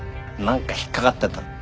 なんか引っかかってた。